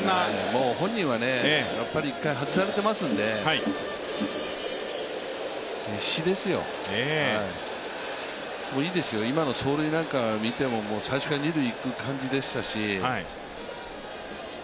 本人はやっぱり一回外されてますんで必死ですよ、もういいですよ、今の走塁なんか見ても最初から二塁へ行く感じでしたし